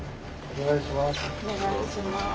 お願いします。